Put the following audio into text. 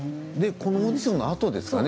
このオーディションのあとですかね